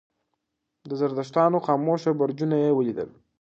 د زردشتانو خاموشه برجونه یې ولیدل.